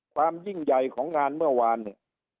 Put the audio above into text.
ความยิ่งใหญ่ของงานเมื่อวานเนี่ย